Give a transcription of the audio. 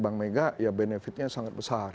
bank mega ya benefitnya sangat besar